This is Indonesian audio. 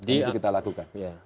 itu kita lakukan